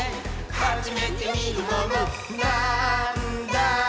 「はじめてみるものなぁーんだ？」